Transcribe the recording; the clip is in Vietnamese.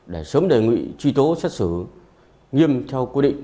để sớm đề nghị truy tố xét xử nghiêm theo quy định